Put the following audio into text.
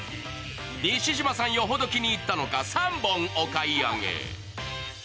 西島さん、余程気に入ったのか、３本お買い上げ。